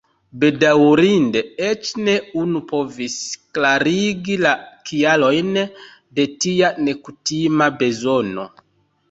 Bedaŭrinde eĉ ne unu povis klarigi la kialojn de tia nekutima bezono.